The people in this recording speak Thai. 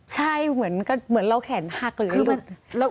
ใช่เหมือนเราแขนหักหรือหลุด